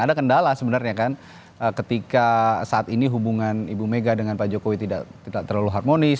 ada kendala sebenarnya kan ketika saat ini hubungan ibu mega dengan pak jokowi tidak terlalu harmonis